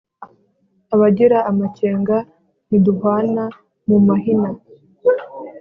Abagira amakenga ntiduhwana mu mahina,